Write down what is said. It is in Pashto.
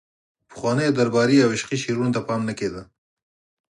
پخوانیو درباري او عشقي شعرونو ته پام نه کیده